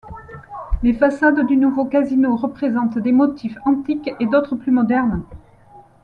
Les façades du nouveau casino représentent des motifs antiques et d’autres plus modernes.